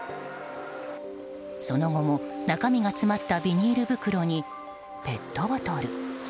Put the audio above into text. その後も中身が詰まったビニール袋にペットボトル。